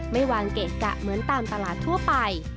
ไม่วางเกะกะเหมือนตามตลาดทั่วไป